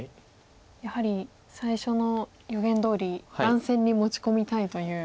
やはり最初の予言どおり乱戦に持ち込みたいという。